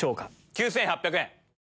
９８００円。